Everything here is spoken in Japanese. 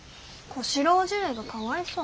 小四郎叔父上がかわいそう。